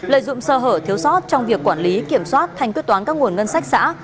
lợi dụng sơ hở thiếu sót trong việc quản lý kiểm soát thanh quyết toán các nguồn ngân sách xã